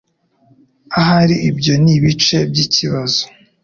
Ahari ibyo nibice byikibazo